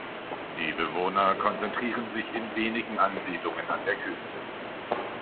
Die Bewohner konzentrieren sich in wenigen Ansiedlungen an der Küste.